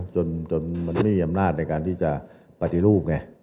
จนมีอำนาจในการปฏิรูป